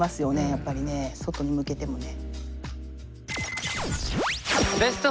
やっぱりね外に向けてもね。